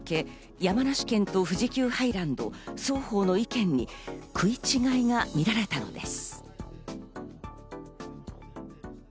山梨県と富士急ハイランド、双方の意見に食い違いが見られたのです。